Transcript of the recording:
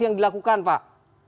yang dilakukan pak